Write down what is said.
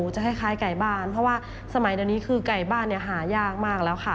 จะคล้ายไก่บ้านเพราะว่าสมัยเดี๋ยวนี้คือไก่บ้านเนี่ยหายากมากแล้วค่ะ